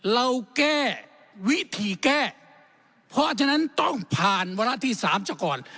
เราแก้วิธีแก้เพราะฉะนั้นต้องผ่านวาระที่๓ซะก่อน